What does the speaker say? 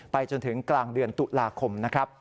ไปจนถึงกลางเดือนตุลาคม